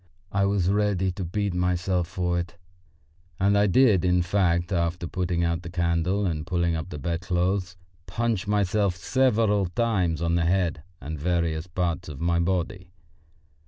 I was ready to beat myself for it, and I did, in fact, after putting out the candle and pulling up the bedclothes, punch myself several times on the head and various parts of my body.